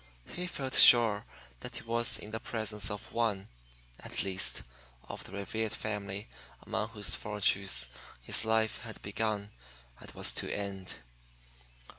He felt sure that he was in the presence of one, at least, of the revered family among whose fortunes his life had begun and was to end.